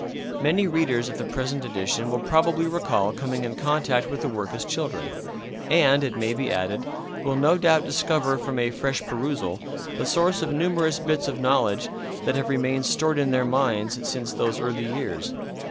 Many readers of the present edition will probably recall coming in contact with the work as children, and, it may be added, will no doubt discover from a fresh perusal the source of numerous bits of knowledge that have remained stored in their minds since those early years.